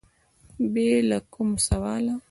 بې له کوم سواله